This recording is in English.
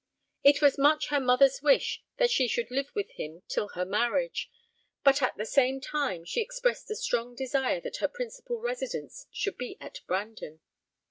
It was much her mother's wish that she should live with him till her marriage; but, at the same time, she expressed a strong desire that her principal residence should be at Brandon.